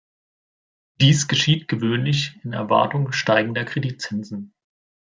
Dies geschieht gewöhnlich in Erwartung steigender Kreditzinsen.